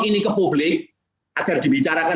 ini ke publik agar dibicarakan